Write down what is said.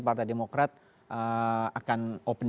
partai demokrat akan open